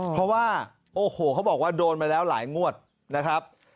เพราะว่าโอ้โหเขาบอกว่าโดนมาแล้วหลายงวดนะครับ